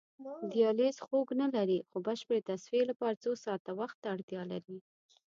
دیالیز خوږ نه لري خو بشپړې تصفیې لپاره څو ساعته وخت ته اړتیا لري.